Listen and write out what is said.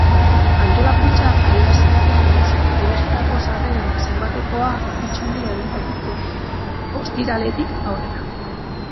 Antolakuntzak adierazi duenez, erositako sarreren zenbatekoa itzuli egingo dute, ostiraletik aurrera.